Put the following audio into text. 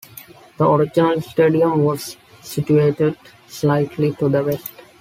The original stadium was situated slightly to the west.